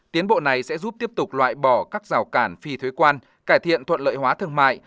tiến bộ này sẽ giúp tiếp tục loại bỏ các rào cản phi thuế quan cải thiện thuận lợi hóa thương mại